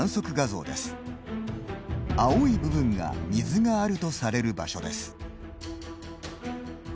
青い部分が水があるとされる場所です。